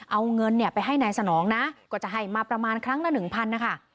เอาเงินเนี่ยไปให้นายสนองนะก็จะให้มาประมาณครั้งละหนึ่งพันนะคะ